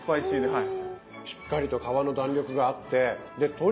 はい。